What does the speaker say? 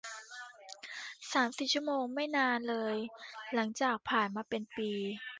สามสี่ชั่วโมงไม่นานเลยหลังจากผ่านมาเป็นปี